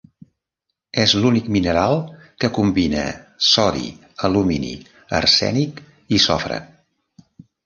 És l'únic mineral que combina sodi, alumini, arsènic i sofre.